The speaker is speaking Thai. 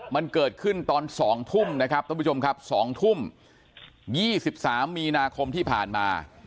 มันเกิดขึ้นตอน๒ทุ่มนะครับสองทุ่ม๒๓มีนาคมที่ผ่านมา